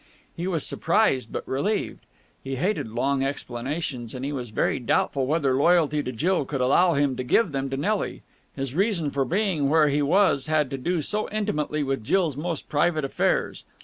He was surprised, but relieved. He hated long explanations, and he was very doubtful whether loyalty to Jill could allow him to give them to Nelly. His reason for being where he was had to do so intimately with Jill's most private affairs.